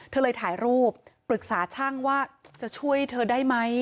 เธอเลยถ่ายรูปปรึกษาช่างว่าจะช่วยเธอได้ไหม